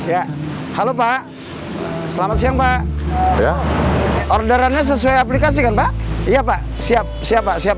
ya halo pak selamat siang pak ya orderannya sesuai aplikasi kan pak iya pak siap siap